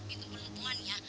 itu melempuan ya